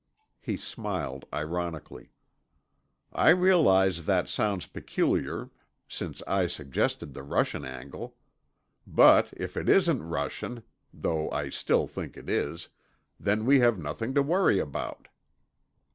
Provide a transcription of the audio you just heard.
He smiled ironically. "I realize that sounds peculiar, since I suggested the Russian angle. But if it isn't Russian—though I still think it is—then we have nothing to worry about."